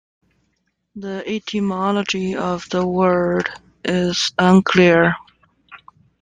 The etymology of the word is unclear.